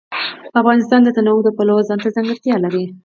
افغانستان د تنوع د پلوه ځانته ځانګړتیا لري.